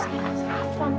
pelan pelan ya nanti